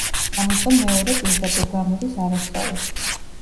ამიტომ მეორე პირდაპირ გამოდის არასწორი.